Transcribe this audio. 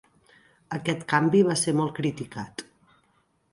Aquest canvi va ser molt criticat.